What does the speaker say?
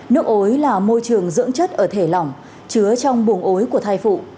nước ối là môi trường dưỡng chất ở thể lỏng chứa trong buồng ối của thai phụ